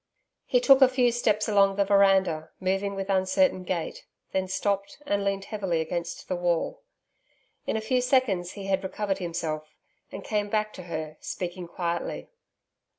He took a few steps along the veranda, moving with uncertain gait; then stopped and leaned heavily against the wall. In a few seconds he had recovered himself, and came back to her, speaking quietly.